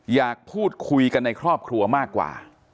อยากพูดคุยกันในครอบครัวมากกว่า